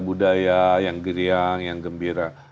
budaya yang giriang yang gembira